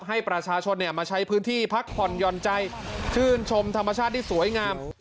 ให้ประชาชนมาใช้พื้นที่พักผ่อนหย่อนใจชื่นชมธรรมชาติที่สวยงาม